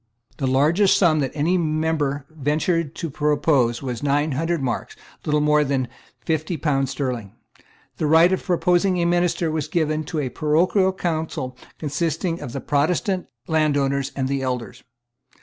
The largest sum that any member ventured to propose was nine hundred marks, little more than fifty pounds sterling. The right of proposing a minister was given to a parochial council consisting of the Protestant landowners and the elders.